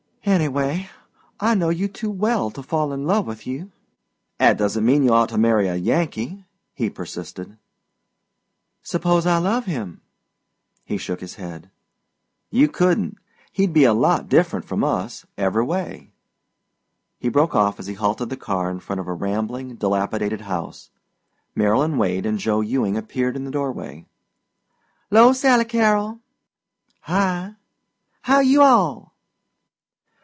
"Anyway, I know you too well to fall in love with you." "'At doesn't mean you ought to marry a Yankee," he persisted. "S'pose I love him?" He shook his head. "You couldn't. He'd be a lot different from us, every way." He broke off as he halted the car in front of a rambling, dilapidated house. Marylyn Wade and Joe Ewing appeared in the doorway. "'Lo Sally Carrol." "Hi!" "How you all?"